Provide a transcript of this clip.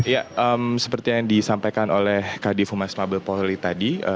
ya seperti yang disampaikan oleh kadif umar smabel poli tadi